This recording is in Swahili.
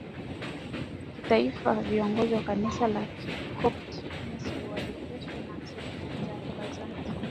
kitaifa Viongozi wa Kanisa la Kikopti Misri waliteswa na serikali ya Bizanti